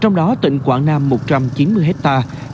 trong đó tỉnh quảng nam một trăm chín mươi hectare